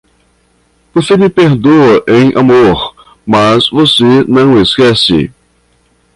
Você me perdoa em amor, mas você não esquece.